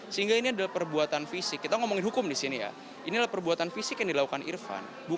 sehingga ini adalah perbuatan fisik kita ngomongin hukum di sini ya inilah perbuatan fisik yang dilakukan irfan